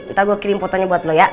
ntar gue kirim fotonya buat lo ya